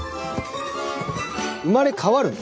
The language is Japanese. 生まれ変わるの？